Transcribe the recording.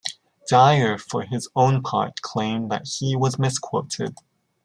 Dyer for his own part claimed that he was misquoted.